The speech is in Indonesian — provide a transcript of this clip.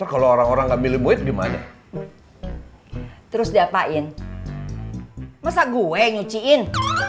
kalau orang orang ngambil duit gimana terus diapain masa gue nyuciin